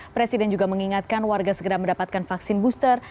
presiden juga mengingatkan warga segera mendapatkan vaksin booster